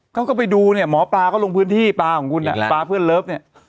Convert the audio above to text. เขาก็ไปดูเนี่ยหมอปลาก็ลงพื้นที่ปลาของคุณแหละปลาเพื่อนเลิฟเนี่ย